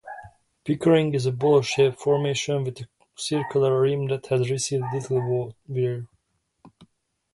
Pickering is a bowl-shaped formation with a circular rim that has received little wear.